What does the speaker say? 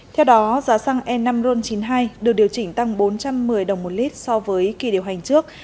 theo đó giá xăng e năm ron chín mươi hai được điều chỉnh tăng bốn trăm một mươi đồng một lít so với kỳ điều hành trước